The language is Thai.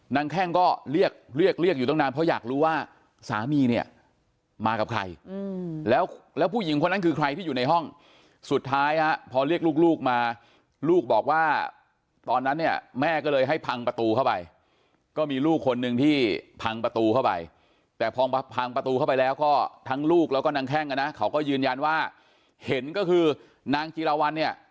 แข้งก็เรียกเรียกอยู่ตั้งนานเพราะอยากรู้ว่าสามีเนี่ยมากับใครแล้วผู้หญิงคนนั้นคือใครที่อยู่ในห้องสุดท้ายพอเรียกลูกมาลูกบอกว่าตอนนั้นเนี่ยแม่ก็เลยให้พังประตูเข้าไปก็มีลูกคนหนึ่งที่พังประตูเข้าไปแต่พอพังประตูเข้าไปแล้วก็ทั้งลูกแล้วก็นางแข้งอ่ะนะเขาก็ยืนยันว่าเห็นก็คือนางจิรวรรณเนี่ย